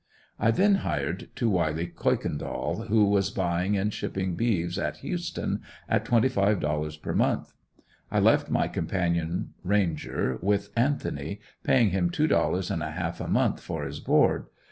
I then hired to Wiley Kuykendall, who was buying and shipping beeves at Houston, at twenty five dollars per month. I left my companion, Ranger, with Anthony, paying him two dollars and a half a month for his board.